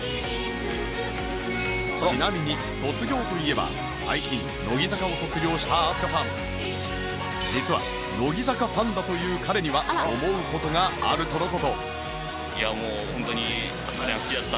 ちなみに卒業といえば最近乃木坂を実は乃木坂ファンだという彼には思う事があるとの事